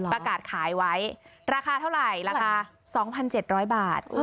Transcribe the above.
ประกาศขายไว้ราคาเท่าไหร่ราคา๒๗๐๐บาท